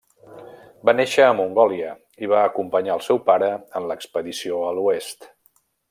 Va néixer a Mongòlia i va acompanyar al seu pare en l'expedició a l'oest.